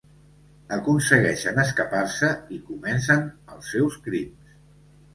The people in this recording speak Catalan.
Aconsegueixen escapar-se i comencen els seus crims.